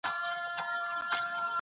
باطل تل د خلکو حقونه خوري.